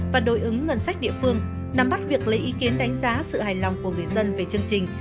và đối ứng ngân sách địa phương nắm bắt việc lấy ý kiến đánh giá sự hài lòng của người dân về chương trình